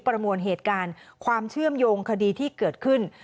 ประมวลเหตุการณ์ความเชื่อมโยงคดีที่เกิดขึ้น